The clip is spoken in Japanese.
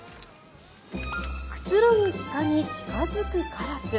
くつろぐ鹿に近付くカラス。